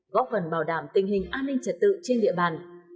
góp phần bảo đảm tình hình an ninh trật tự trên địa bàn